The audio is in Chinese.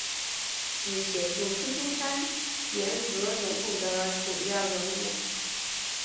是协助孙中山联俄容共的主要人物。